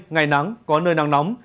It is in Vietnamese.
ngày nắng có nơi nắng nóng